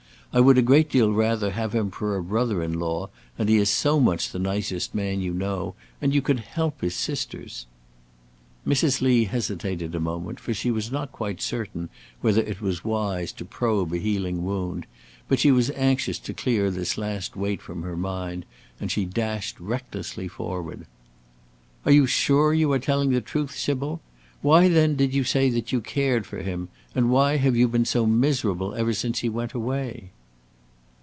I would a great deal rather have him for a brother in law, and he is so much the nicest man you know, and you could help his sisters." Mrs. Lee hesitated a moment, for she was not quite certain whether it was wise to probe a healing wound, but she was anxious to clear this last weight from her mind, and she dashed recklessly forward: "Are you sure you are telling the truth, Sybil? Why, then, did you say that you cared for him? and why have you been so miserable ever since he went away?"